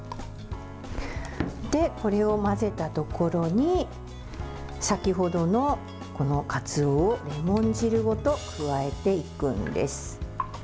これを混ぜたところに先ほどのかつおをレモン汁ごと加えていくんです。